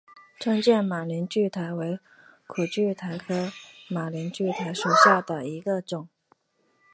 剑川马铃苣苔为苦苣苔科马铃苣苔属下的一个种。